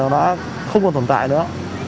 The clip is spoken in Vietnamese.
công ty này không còn tồn tại nữa